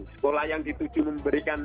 sekolah yang dituju memberikan